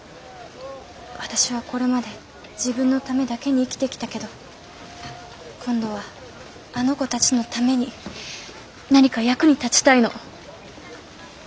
私はこれまで自分のためだけに生きてきたけど今度はあの子たちのために何か役に立ちたいの。